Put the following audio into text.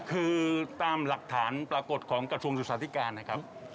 คือตามหลักฐานปรากฏของกระทรวงศึกษาธิการนะครับ